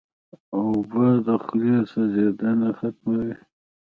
اوبه د خولې سوځېدنه ختموي.